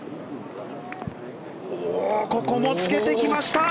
ここもつけてきました。